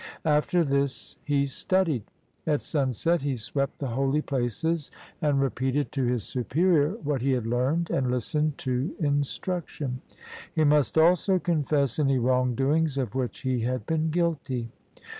After this he studied. At sunset he swept the holy places and re peated to his superior what he had learned, and listened to instruction. He must also confess any wrongdoing of which he had been guilty.